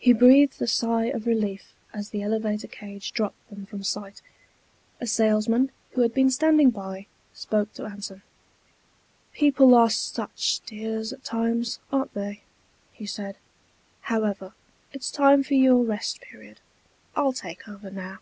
He breathed a sigh of relief as the elevator cage dropped them from sight. A salesman, who had been standing by, spoke to Anson. "People are such dears at times, aren't they?" he said. "However, it's time for your rest period. I'll take over now."